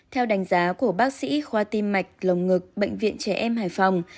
theo đánh giá của bác sĩ khoa tim mạch lồng ngực bệnh viện trẻ em hải phòng